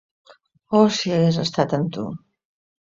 Oh, si hagués estat amb tu!